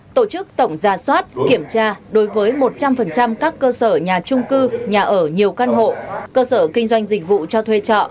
tổ chức tổng gia soát kiểm tra đối với một trăm linh các cơ sở nhà trung cư nhà ở nhiều căn hộ cơ sở kinh doanh dịch vụ cho thuê trọ